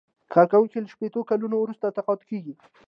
کارکوونکی له شپیته کلونو وروسته تقاعد کیږي.